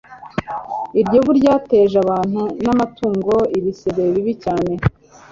iryo vu ryateje abantu n'amatungo ibisebe bibi cyane